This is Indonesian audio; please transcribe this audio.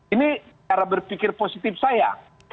ini cara berpikir positif saya